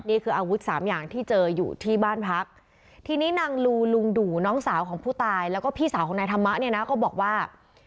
นี่คืออาวุธสามอย่างที่เจออยู่ที่บ้านพักทีนี้นางลูลุงดู่น้องสาวของผู้ตายแล้วก็พี่สาวของนายธรรมะเนี่ยนะก็บอกว่า